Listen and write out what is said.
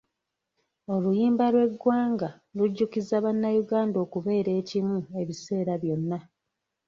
Oluyimba lw'eggwanga lujjukiza bannayuganda okubeera ekimu ebiseera byonna.